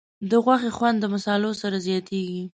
د غوښې خوند د مصالحو سره زیاتېږي.